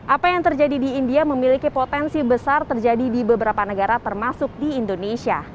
apa yang terjadi di india memiliki potensi besar terjadi di beberapa negara termasuk di indonesia